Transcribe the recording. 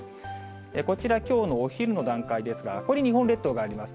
こちらきょうのお昼の段階ですが、ここに日本列島があります。